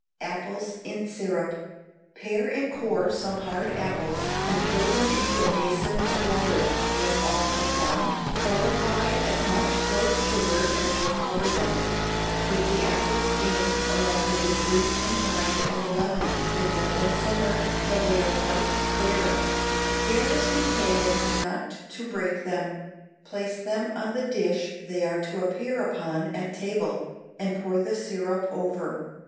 Apples in Syrup. Pare and core some hard apples, and throw them into a basin of water. When all are done, clarify as much loaf sugar as will cover them; put the apples in along with the juice and rind of a lemon, and let them simmer till they are quite clear; care must be taken not to break them; place them on the dish they are to appear upon at table, and pour the syrup over.